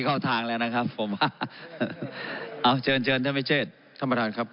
เข้าทางแล้วนะครับผมว่าเอาเชิญเชิญท่านวิเชษท่านประธานครับ